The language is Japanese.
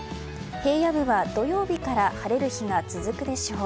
平野部は土曜日から晴れる日が続くでしょう。